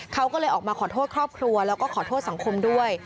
เขาก็เลยออกมาขอโทษครอบครัวแล้วก็ขอโทษสังคมด้วย